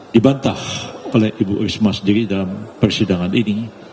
dibantah oleh ibu risma sendiri dalam persidangan ini